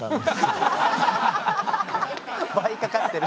倍かかってる。